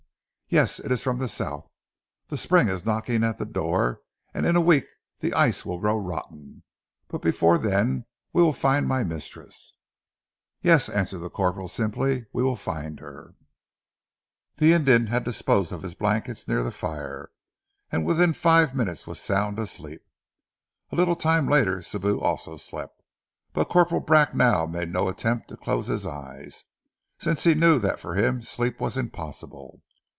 "Yes. It is from the south. The spring is knocking at the door, and in a week the ice will grow rotten, but before then we will find my mistress!" "Yes," answered the corporal simply. "We will find her." The Indian had disposed his blankets near the fire and within five minutes was sound asleep. A little time later Sibou also slept, but Corporal Bracknell made no attempt to close his eyes, since he knew that for him sleep was impossible.